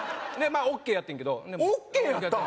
あＯＫやってんけどＯＫやったん？